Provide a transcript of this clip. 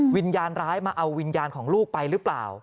วิญญาณร้ายมาเอาวิญญาณของลูกไปหรือเปล่า